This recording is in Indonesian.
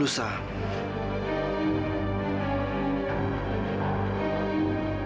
une ma bengi